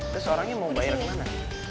terus orangnya mau bayar kemana